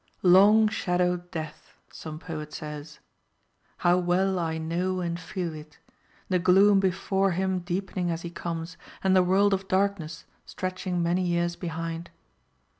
"Long shadowed death," some poet says. How well I know and feel it! the gloom before him deepening as he comes, and the world of darkness stretching many years behind.